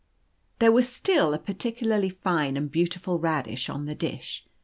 There was still a particularly fine and beautiful radish on the dish.